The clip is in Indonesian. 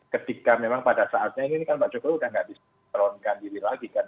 ketika memang pada saatnya ini kan pak jokowi udah gak diseronkan diri lagi kan